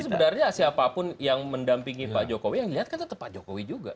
tapi sebenarnya siapapun yang mendampingi pak jokowi yang lihat kan tetap pak jokowi juga